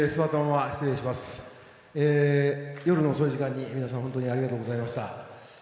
夜の遅い時間に皆さん本当にありがとうございました。